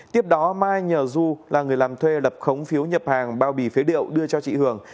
tiếp đó mai nhờ du là người làm thuê lập khống phiếu nhập hàng bao bì phế liệu đưa cho chị hường